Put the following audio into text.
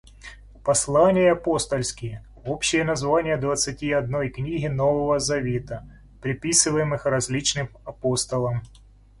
Послания апостольские — общее название двадцати одной книги Нового Завета, приписываемых различным апостолам.